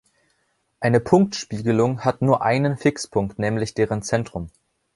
Eine Punktspiegelung hat nur einen Fixpunkt, nämlich deren Zentrum.